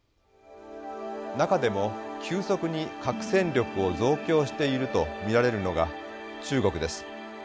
中でも急速に核戦力を増強していると見られるのが中国です。